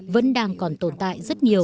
vẫn đang còn tồn tại